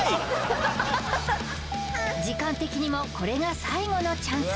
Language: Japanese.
時間的にもこれが最後のチャンス